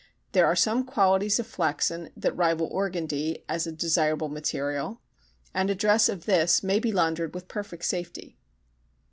There are some qualities of flaxon that rival organdy as a desirable material, and a dress of this may be laundered with perfect safety.